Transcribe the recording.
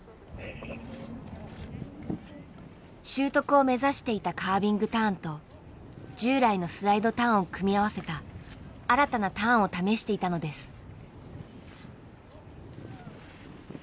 習得を目指していたカービングターンと従来のスライドターンを組み合わせた新たなターンを試していたのです。